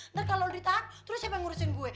ntar kalo lu ditahan terus siapa yang ngurusin gue